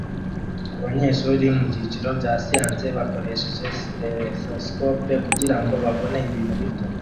Abanyeshuri mubyiciro bya siyanse bakoresheje stethoscope kugirango babone ibintu bito